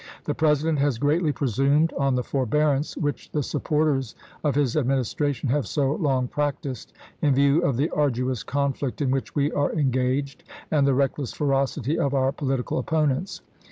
The Presi dent has greatly presumed on the forbearance which the supporters of his Administration have so long practiced, in view of the arduous conflict in which we are engaged, and the reckless ferocity of our political opponents.